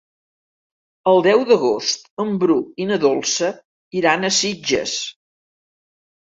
El deu d'agost en Bru i na Dolça iran a Sitges.